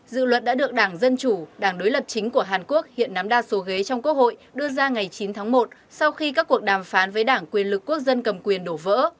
dự luật đã được đảng dân chủ đảng đối lập chính của hàn quốc hiện nắm đa số ghế trong quốc hội đưa ra ngày chín tháng một sau khi các cuộc đàm phán với đảng quyền lực quốc dân cầm quyền đổ vỡ